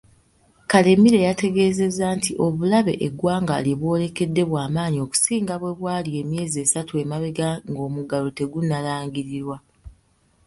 Karemire yategeezezza nti obulabe eggwanga lyebwolekedde bwamaanyi okusinga bwebwali emyezi esatu emabega ng'omuggalo tegunnalangirirwa.